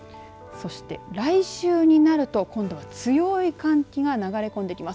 そして来週になると今度は強い寒気が流れ込んできます。